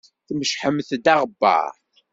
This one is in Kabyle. Tmecḥemt-d aɣebbar.